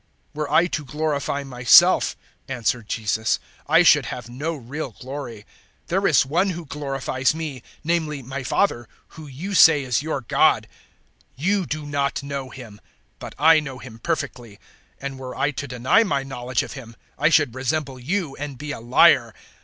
008:054 "Were I to glorify myself," answered Jesus, "I should have no real glory. There is One who glorifies me namely my Father, who you say is your God. 008:055 You do not know Him, but I know Him perfectly; and were I to deny my knowledge of Him, I should resemble you, and be a liar.